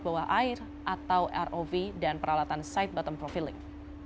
bawah air atau rov dan peralatan side bottom profiling